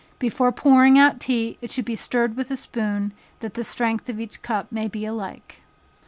Before pouring out tea, it should be stirred with a spoon that the strength of each cup may be alike.